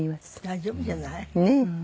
大丈夫じゃない？ねえ。